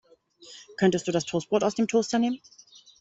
Könntest du das Toastbrot aus dem Toaster nehmen?